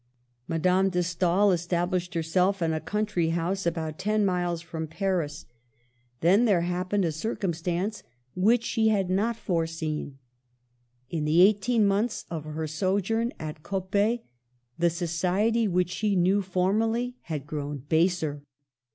Madame de Stael established herself in a coun try house about ten miles from Paris. Then there Digitized by VjOOQIC 122 MADAME DE STA&L. happened a circumstance which she had not fore seen. In the eighteen months of her sojourn at Coppet, the society which she knew formerly had grown baser.